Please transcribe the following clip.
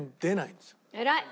偉い！